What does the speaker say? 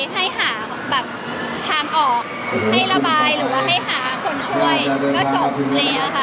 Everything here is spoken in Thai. ให้หาแบบทางออกให้ระบายหรือว่าให้หาคนช่วยก็จบแล้วค่ะ